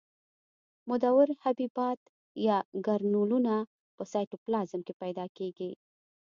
مدور حبیبات یا ګرنولونه په سایتوپلازم کې پیدا کیږي.